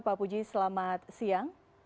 pak puji selamat siang